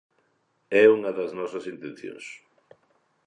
É unha das nosas intencións.